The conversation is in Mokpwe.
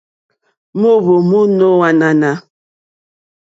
Moohvò mo nò ànànà.